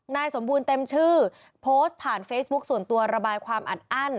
นายสมบูรณ์เต็มชื่อโพสต์ผ่านเฟซบุ๊คส่วนตัวระบายความอัดอั้น